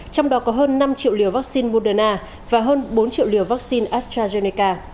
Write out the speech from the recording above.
trong đó có hơn năm triệu liều vaccine moderna và hơn bốn triệu liều vaccine astrazeneca